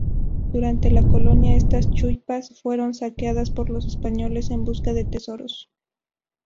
Durante la colonia, estas chullpas fueron saqueadas por los españoles en busca de tesoros.